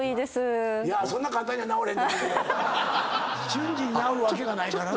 瞬時に治るわけがないからな。